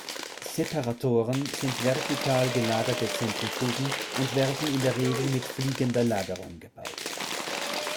Separatoren sind vertikal gelagerte Zentrifugen und werden in der Regel mit fliegender Lagerung gebaut.